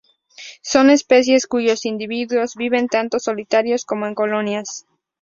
Son especies cuyos individuos viven tanto solitarios como en colonias.